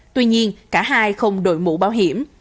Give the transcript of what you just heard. tuy nhiên cả hai không đổi bủ bảo hiểm